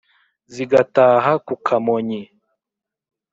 zigataha ku kamonyi.